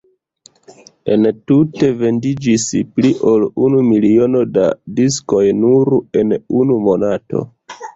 Entute vendiĝis pli ol unu miliono da diskoj nur en unu monato.